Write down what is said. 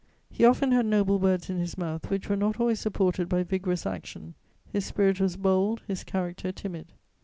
He often had noble words in his mouth which were not always supported by vigorous action: his spirit was bold, his character timid.